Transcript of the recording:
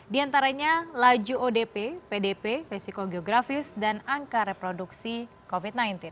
di antaranya laju odp pdp resiko geografis dan angka reproduksi covid sembilan belas